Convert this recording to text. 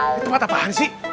ini tempat apaan sih